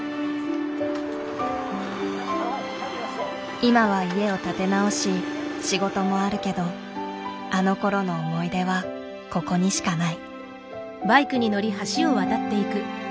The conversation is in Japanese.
今は家を建て直し仕事もあるけどあのころの思い出はここにしかない。